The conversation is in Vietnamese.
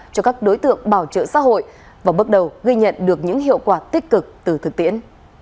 cho các đối tượng bảo trợ xã hội và bước đầu ghi nhận được những hiệu quả tích cực từ thực tiễn